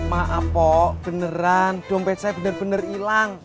maaf pok beneran dompet saya bener bener hilang